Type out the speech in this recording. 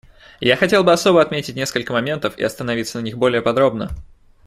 Я хотел бы особо отметить несколько моментов и остановиться на них более подробно.